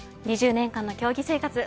２０年間の競技生活